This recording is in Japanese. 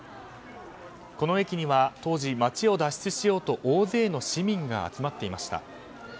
この駅には当時、街を脱出しようと大勢の市民が集まっていました。